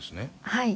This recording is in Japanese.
はい。